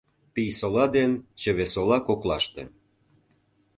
Пийсола ден Чывесола коклаште